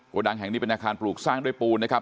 ดังแห่งนี้เป็นอาคารปลูกสร้างด้วยปูนนะครับ